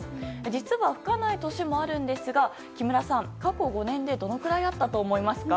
実は吹かない年もあるんですが木村さん、過去５年でどのくらいあったと思いますか？